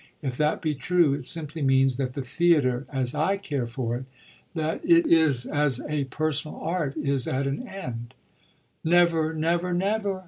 If that be true it simply means that the theatre, as I care for it, that is as a personal art, is at an end." "Never, never, never!"